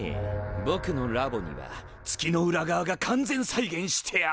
ぼくのラボには月の裏側が完全再現してある。